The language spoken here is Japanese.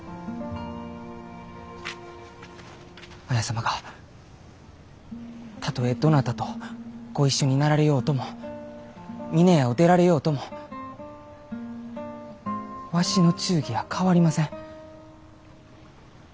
綾様がたとえどなたとご一緒になられようとも峰屋を出られようともわしの忠義は変わりません。